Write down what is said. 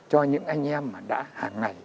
cho những anh em mà đã hàng ngày